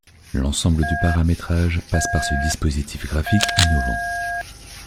L'ensemble du paramétrage passe par ce dispositif graphique innovant.